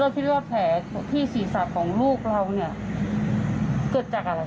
สินค้าที่ศีรษะของลูกแล้วเนี่ยเกิดจากอะไร